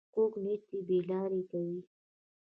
کوږ نیت بې لارې کوي